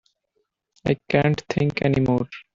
I can't think any more.